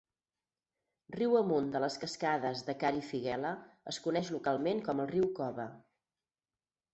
Riu amunt de les cascades de Karifiguela es coneix localment com el riu Koba.